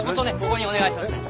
ここにお願いしますね。